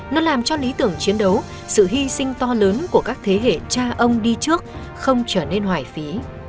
nó làm cho lý tưởng chiến đấu sự hy sinh to lớn của các thế hệ cha ông đi trước không trở nên hoài phí